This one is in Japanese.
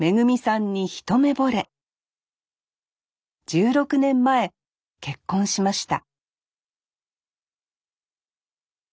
１６年前結婚しました